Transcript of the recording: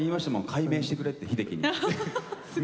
改名してくれって、秀樹に。